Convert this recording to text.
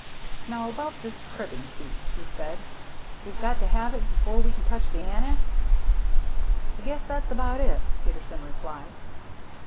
"Now, about this cribbing, Pete," he said; "we've got to have it before we can touch the annex?" "I guess that's about it," Peterson replied.